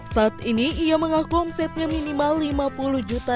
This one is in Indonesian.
saat ini ia mengaku omsetnya minimal lima puluh juta